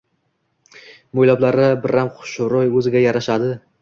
Mo‘ylablari biram xushro‘y, o’ziga yarashadi.